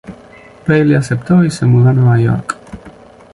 Bailey aceptó y se mudó a Nueva York.